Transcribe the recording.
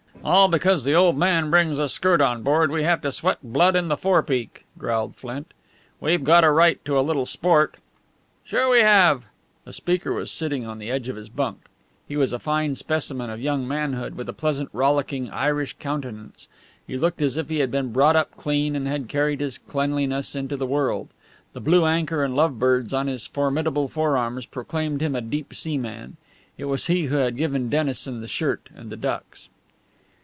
"All because the old man brings a skirt on board, we have to sweat blood in the forepeak!" growled Flint. "We've got a right to a little sport." "Sure we have!" The speaker was sitting on the edge of his bunk. He was a fine specimen of young manhood, with a pleasant, rollicking Irish countenance. He looked as if he had been brought up clean and had carried his cleanliness into the world. The blue anchor and love birds on his formidable forearms proclaimed him a deep sea man. It was he who had given Dennison the shirt and the ducks.